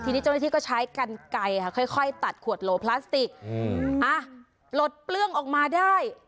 ทีนี้เจ้าหน้าที่ก็ใช้กันไก่ค่ะค่อยตัดขวดโหลพลาสติกอ่ะหลดเปลื้องออกมาได้